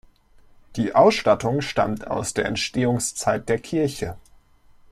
Die Ausstattung stammt aus der Entstehungszeit der Kirche.